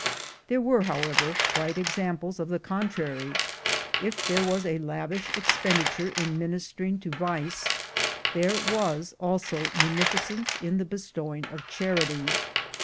There were, however, bright examples of the con trary. If there was a lavish expenditure in minister ing to vice, there was also munificence in the bestow ing of charity.